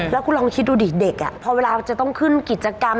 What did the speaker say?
แล้วคุณลองคิดดูดิเด็กพอเวลาจะต้องขึ้นกิจกรรม